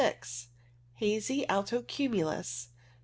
Hazy alto cumulus.